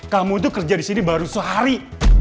kamu tuh kerja disini baru sehari